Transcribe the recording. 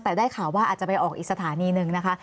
แต่ได้ข่าวว่าอาจจะไปออกอีกสถานีหนึ่งนะคะ